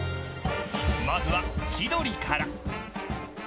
まずは千鳥から。